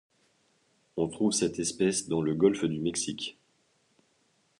On trouve cette espèce dans le Golfe du Mexique.